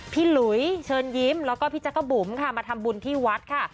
หลุยเชิญยิ้มแล้วก็พี่จักรบุ๋มค่ะมาทำบุญที่วัดค่ะ